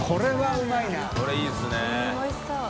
うんおいしそう。